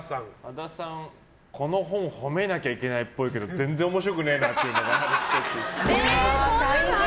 この本褒めなきゃいけないっぽいけど全然面白くねーなーっていうのがあるっぽい。